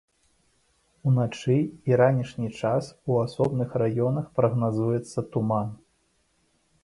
У начны і ранішні час у асобных раёнах прагназуецца туман.